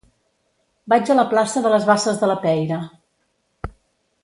Vaig a la plaça de les Basses de la Peira.